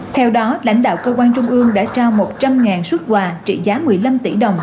theo đó lãnh đạo cơ quan trung ương đã trao một trăm linh xuất quà trị giá một mươi năm tỷ đồng